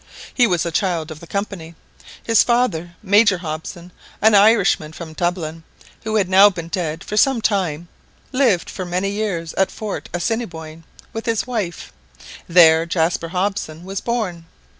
He was " a child of the Company." His father, Major Hobson, an Irishman from Dublin, who had now been dead for some time, lived for many years at Fort Assiniboin with his wife. There Jaspar Hobson was born.